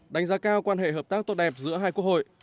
đánh giá cao quan hệ hợp tác tốt đẹp giữa hai quốc hội